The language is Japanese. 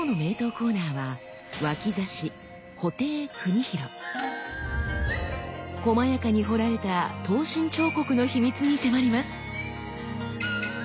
コーナーはこまやかに彫られた刀身彫刻の秘密に迫ります。